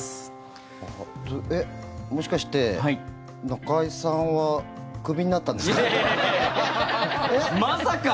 もしかして中居さんはクビになったんですか？